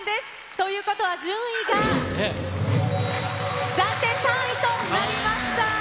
ということは、順位が、暫定３位となりました。